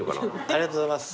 ありがとうございます。